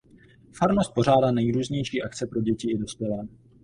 Farnost pořádá nejrůznější akce pro děti i dospělé.